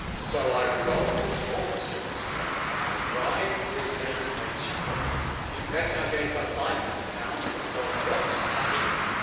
So I resolved to baulk Sir Christopher; and I bribed this lady's maid Charlotte—in fact, I gave her five hundred pounds and a gold watch, the hussey!